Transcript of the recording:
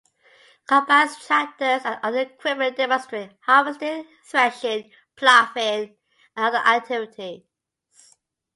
Combines, tractors and other equipment demonstrate harvesting, threshing, ploughing and other activities.